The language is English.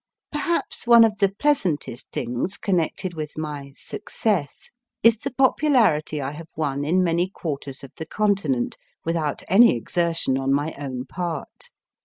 Perhaps one of the pleasantest things connected with my 1 success is the popularity I have won in many quarters of the Continent without any exertion on my own part.